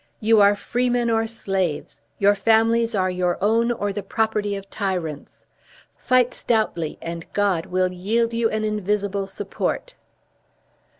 You are freemen or slaves; your families are your own, or the property of tyrants! Fight stoutly, and God will yield you an invisible support."